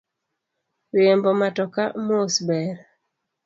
Riembo matoka mos ber.